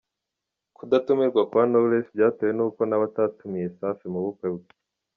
Ku datumirwa kwa knowless byatewe n’uko nawe atatumiye Safi mu bukwe.